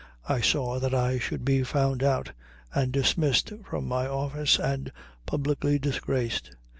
I saw that I should be found out and dismissed from my office and publicly disgraced.